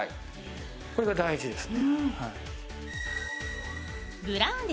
これが大事です。